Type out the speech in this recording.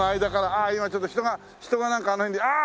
ああ今ちょっと人が人がなんかあの辺でああー！